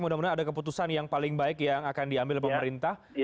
mudah mudahan ada keputusan yang paling baik yang akan diambil pemerintah